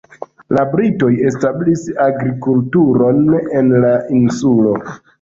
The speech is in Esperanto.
La britoj establis agrikulturon en la insulo.